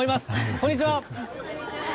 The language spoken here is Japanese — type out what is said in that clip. こんにちは！